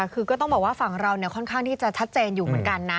คือก็ต้องบอกว่าฝั่งเราค่อนข้างที่จะชัดเจนอยู่เหมือนกันนะ